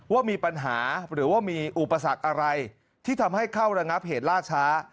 ว่ามีปัญหาหรือว่ามีอุปสรรคอะไรที่ทำให้เข้าระงับเหตุล่าช้า